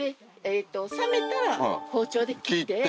冷めたら包丁で切って。